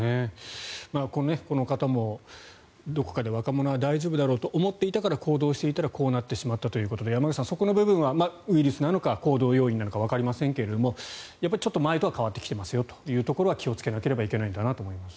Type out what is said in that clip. この方もどこかで若者は大丈夫だろうと思っていたから行動していたらこうなってしまったということで山口さん、そこの部分はウイルスなのか行動要因なのかわかりませんけども前とは変わってきているんだよというところは気をつけなければいけないんだなと思います。